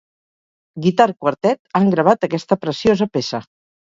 Guitar Quartet han gravat aquesta preciosa peça.